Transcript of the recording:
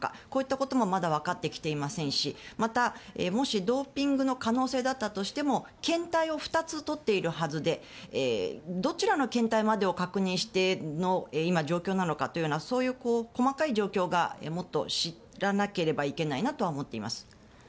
こういったこともまだ分かってきていませんしまた、もしドーピングの可能性があったとしても検体を２つ取っているはずでどちらの検体までを確認しての状況なのか細かい状況をもっと知らなければいけないなと思います。